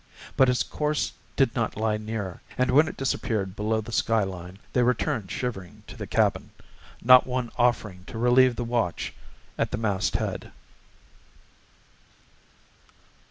But its course did not lie near, and when it disappeared below the skyline, they returned shivering to the cabin, not one offering to relieve the watch at the mast head.